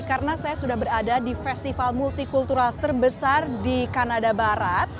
karena saya sudah berada di festival multikultural terbesar di kanada barat